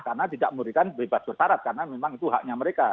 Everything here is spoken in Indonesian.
karena tidak memberikan bebas bersyarat karena memang itu haknya mereka